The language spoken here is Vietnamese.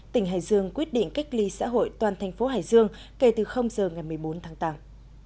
tỉnh hải dương quyết định cách ly xã hội toàn thành phố hải dương kể từ giờ ngày một mươi bốn tháng tám